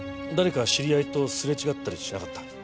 誰か知り合いとすれ違ったりしなかった？